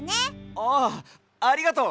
ああありがとう！